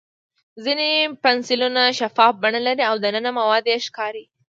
ځینې پنسلونه شفاف بڼه لري او دننه یې مواد ښکاري.